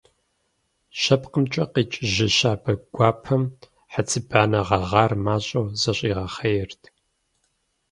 ЖьэпкъымкӀэ къикӀ жьы щабэ гуапэм хьэцыбанэ гъэгъар мащӀэу зэщӀигъэхъаерт.